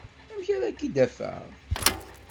Amek ara k-id-afeɣ?